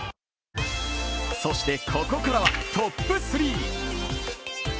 そして、ここからはトップ３。